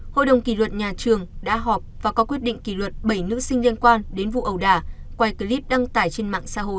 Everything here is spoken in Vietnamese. hội đồng kỷ luật nhà trường đã họp và có quyết định kỷ luật bảy nữ sinh liên quan đến vụ ầu đà quay clip đăng tải trên mạng xã hội